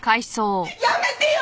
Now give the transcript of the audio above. やめてよ！